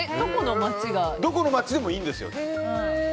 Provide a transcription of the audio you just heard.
どこの街でもいいんですよ。